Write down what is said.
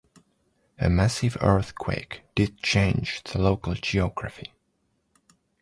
A massive earthquake did change the local geography.